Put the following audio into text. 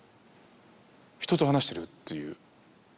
人と話してるっていう。